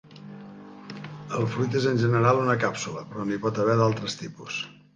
El fruit és en general una càpsula, però n'hi pot haver d'altres tipus.